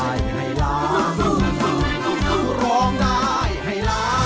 รายการต่อไปนี้เป็นรายการทั่วไปสามารถรับชมได้ทุกวัย